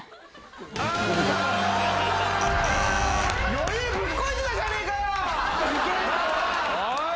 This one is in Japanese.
余裕ぶっこいてたじゃねえかよ。